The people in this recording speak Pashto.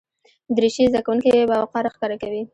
دریشي زده کوونکي باوقاره ښکاره کوي.